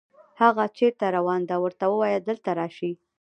هاغه چېرته روان ده، ورته ووایه دلته راشي